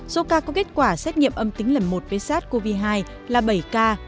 số ca có kết quả xét nghiệm âm tính lần một với sars cov hai là bảy ca